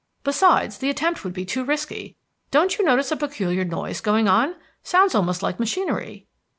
"Besides, the attempt would be too risky. Don't you notice a peculiar noise going on? Sounds almost like machinery."